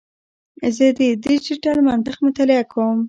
زه د ډیجیټل منطق مطالعه کوم.